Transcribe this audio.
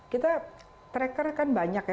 kita tracker kan banyak ya